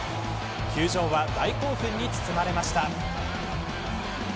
球場は大興奮に包まれました。